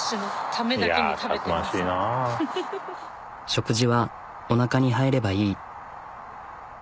食事はおなかに入ればいい。